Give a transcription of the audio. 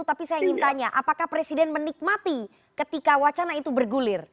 tapi saya ingin tanya apakah presiden menikmati ketika wacana itu bergulir